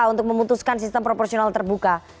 untuk memutuskan sistem proporsional terbuka